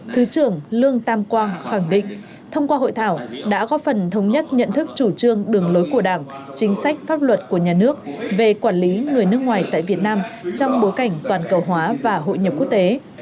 thứ trưởng lương tam quang khẳng định thông qua hội thảo đã góp phần thống nhất nhận thức chủ trương đường lối của đảng chính sách pháp luật của nhà nước về quản lý người nước ngoài tại việt nam trong bối cảnh toàn cầu hóa và hội nhập quốc tế